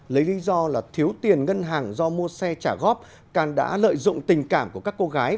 lấy lý do là thiếu tiền ngân hàng do mua xe trả góp can đã lợi dụng tình cảm của các cô gái